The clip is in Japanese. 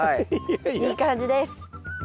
いい感じです。